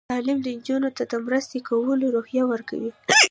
تعلیم نجونو ته د مرستې کولو روحیه ورکوي.